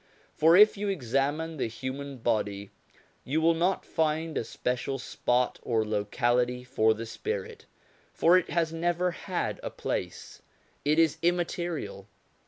For if you examine the human body, you will not find a special spot or locality for the spirit, for it has never had a place; it is immaterial.